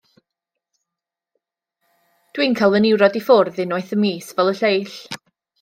Dw i'n cael fy niwrnod i ffwrdd unwaith y mis fel y lleill.